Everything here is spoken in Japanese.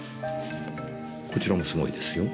こちらもすごいですよ。